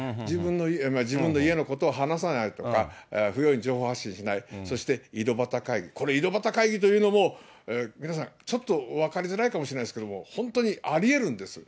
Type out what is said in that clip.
自分の家のことを話さないとか、不用意に情報を発信しない、そして井戸端会議、これ、井戸端会議というのも、皆さんちょっと、分かりづらいかもしれないですけれども、本当にありえるんです。